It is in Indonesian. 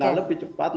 nah lebih cepat